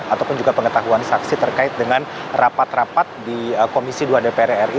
ataupun juga pengetahuan saksi terkait dengan rapat rapat di komisi dua dpr ri